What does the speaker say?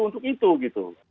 untuk itu gitu